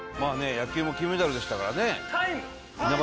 野球も金メダルでしたからねタイム！